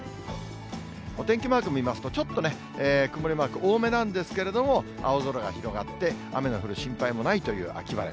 お天気マーク見ますと、ちょっとね、曇りマーク多めなんですけれども、青空が広がって、雨の降る心配もないという秋晴れ。